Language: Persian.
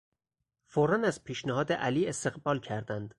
فورا از پیشنهاد علی استقبال کردند.